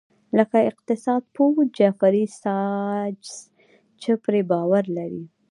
لکه اقتصاد پوه جیفري ساچس چې پرې باور لري.